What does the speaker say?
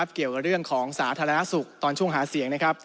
เกี่ยวกับเรื่องของสาธารณสุขตอนช่วงหาเสียงนะครับ